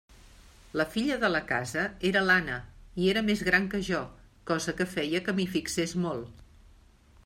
La filla de la casa era l'Anna, i era més gran que jo, cosa que feia que m'hi fixés molt.